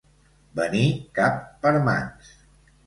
Venir cap per mans.